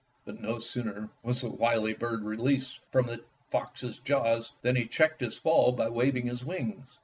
But no sooner was the wily bird released from the fox's jaws than he checked his fall by waving his wings.